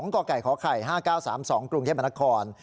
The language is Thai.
กไก่ขไข่๕๙๓๒กรุงเทพมนคร